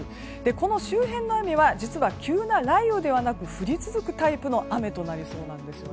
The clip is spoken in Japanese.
この周辺の雨は実は急な雷雨ではなく降り続くタイプの雨となりそうなんです。